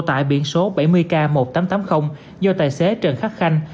tại biển số bảy mươi k một nghìn tám trăm tám mươi do tài xế trần khắc khanh